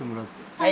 はい。